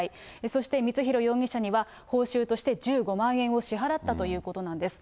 そして光弘容疑者には、報酬として１５万円を支払ったということなんです。